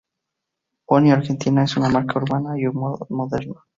Pony Argentina es una marca urbana y moderna.